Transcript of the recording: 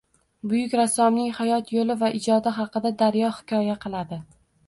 Buyuk rassomning hayot yo‘li va ijodi haqida Daryo hikoya qiladi